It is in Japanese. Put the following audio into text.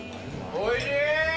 おいしい。